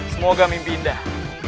semoga mimpi indah